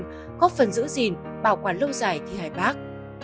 góp phần giữ gìn bảo quản lâu dài thi hài bác